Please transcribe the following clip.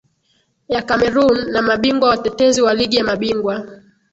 ya cameroon na mabingwa watetezi wa ligi ya mabingwa